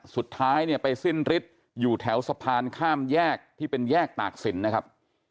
สุดท้ายเนี่ยไปสิ้นฤทธิ์อยู่แถวสะพานข้ามแยกที่เป็นแยกตากศิลป์นะครับ